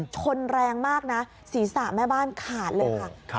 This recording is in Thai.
ชนแรงมากนะศีรษะแม่บ้านขาดเลยค่ะ